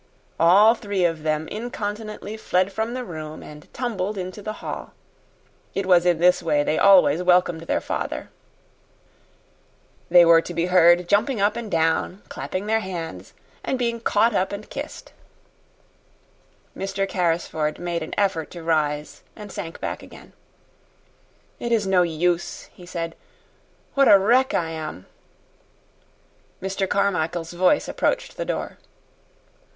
All three of them incontinently fled from the room and tumbled into the hall. It was in this way they always welcomed their father. They were to be heard jumping up and down, clapping their hands, and being caught up and kissed. Mr. Carrisford made an effort to rise and sank back again. "It is no use," he said. "What a wreck I am!" Mr. Carmichael's voice approached the door.